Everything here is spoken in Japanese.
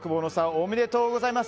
おめでとうございます。